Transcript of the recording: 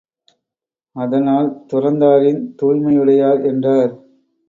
அதனால், துறந்தாரின் தூய்மையுடையார் என்றார்.